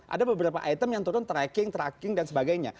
ada beberapa item yang turun tracking tracking dan sebagainya